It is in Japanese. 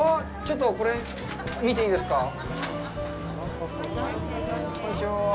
ちょっと、これ見ていいですか？